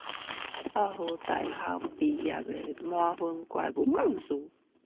哈佛大學畢業的滿分怪物講師